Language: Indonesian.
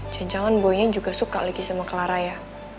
jangan jangan buangnya juga suka lagi sama clara ya